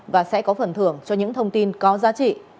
và sẽ có phần thưởng cho những thông tin có giá trị